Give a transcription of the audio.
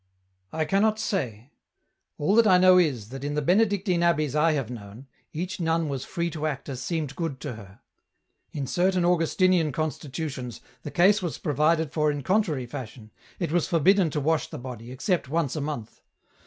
" I cannot say ; all that I know is, that in the Benedictine abbeys I have known, each nun was free to act as seemed good to her ; in certain Augustinian constitutions, the case was provided for in contrary fashion, it was forbidden to wash the body, except once a month.